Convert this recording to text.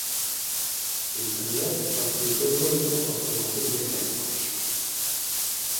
Internet facilitou moito a formación dos médicos.